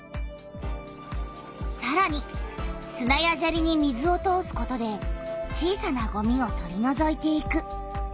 さらにすなやジャリに水を通すことで小さなゴミを取りのぞいていく。